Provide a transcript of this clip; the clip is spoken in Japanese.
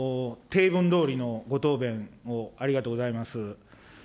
ていぶんどおりのご答弁、ありがとうございます。